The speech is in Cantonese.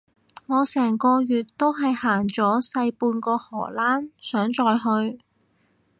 我成個月都係行咗細半個波蘭，想再去